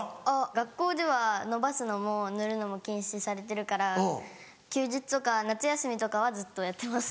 学校では伸ばすのも塗るのも禁止されてるから休日とか夏休みとかはずっとやってます。